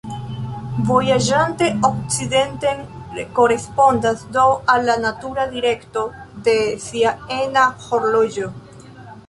Vojaĝante okcidenten korespondas do al la natura direkto de sia ena horloĝo.